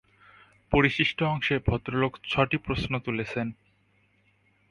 পরিশিষ্ট অংশে ভদ্রলোক ছটি প্রশ্ন তুলেছেন।